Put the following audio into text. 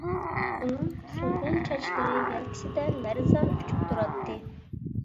ئۇنىڭ سۇمبۇل چاچلىرى يەلكىسىدە لەرزان ئۇچۇپ تۇراتتى.